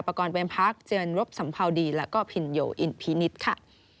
กรเป็นพักเจือนรบสัมภาวดีแล้วก็พินโยอินพินิษฐ์ค่ะ